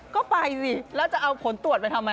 ก็ไปสิแล้วจะเอาผลตรวจไปทำไม